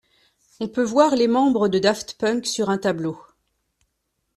On peut voir les membres de Daft Punk sur un tableau.